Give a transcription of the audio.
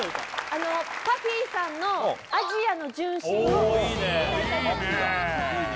あのＰＵＦＦＹさんの「アジアの純真」をおいいねいいね